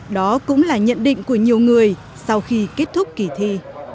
đó cũng là nhận định của nhiều người sau khi kết thúc kỳ thi